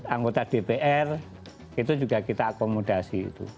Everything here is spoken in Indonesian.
anggota dpr itu juga kita akomodasi